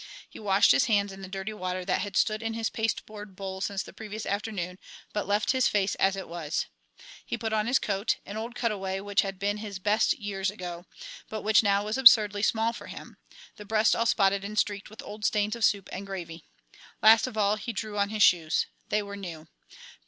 He washed his hands in the dirty water that had stood in his pasteboard bowl since the previous afternoon, but left his face as it was. He put on his coat, an old cutaway which had been his best years ago, but which was now absurdly small for him, the breast all spotted and streaked with old stains of soup and gravy. Last of all he drew on his shoes. They were new.